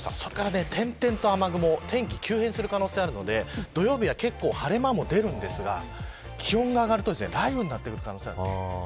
そこから点々と雨雲天気急変する可能性があるので土曜日は結構晴れ間も出ますが気温が上がると雷雨になる可能性があります。